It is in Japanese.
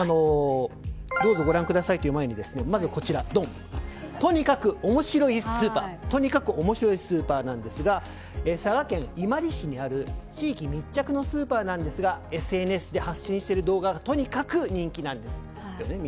どうぞご覧くださいと言う前にまずこちら、とにかく面白いスーパーなんですが佐賀県伊万里市にある地域密着型のスーパーなんですがＳＮＳで発信している動画がとにかく人気なんです。